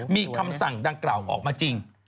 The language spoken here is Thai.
มีคำสั่งดังกล่าวออกมาจริง